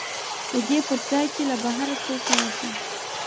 د دې پر ځای چې له بهر څوک راشي